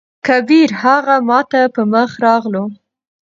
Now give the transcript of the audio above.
کبير: هغه ماته په مخه راغلو.